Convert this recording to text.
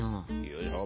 よいしょ。